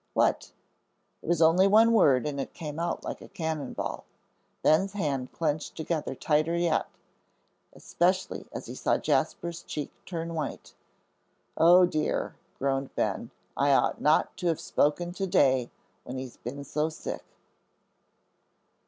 "What?" It was only one word and it came out like a cannon ball. Ben's hand clenched together tighter yet, especially as he saw Jasper's cheek turn white. "O dear," groaned Ben, "I ought not to have spoken to day when he's been so sick."